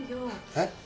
えっ？